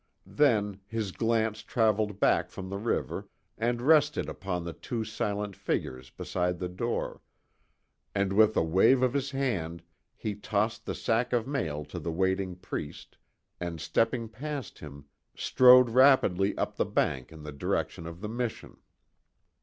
Then, his glance travelled back from the river and rested upon the two silent figures beside the door, and with a wave of his hand, he tossed the sack of mail to the waiting priest, and stepping past him strode rapidly up the bank in the direction of the mission.